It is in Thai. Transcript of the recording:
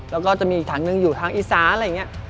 แล้วก็จะมีอีกถังหนึ่งอยู่ทางอีสานอะไรอย่างนี้